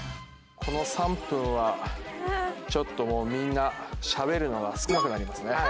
この３分はちょっともうみんなしゃべるのが少なくなりますね。